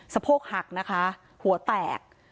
โพกหักนะคะหัวแตก